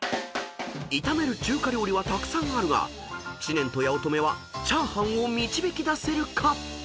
［炒める中華料理はたくさんあるが知念と八乙女は「チャーハン」を導き出せるか？］